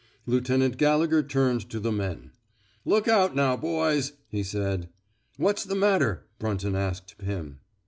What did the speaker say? Lieutenant Gallegher turned to the men. Look out, now, boys," he said. What's the matter! " Brunton asked Pim.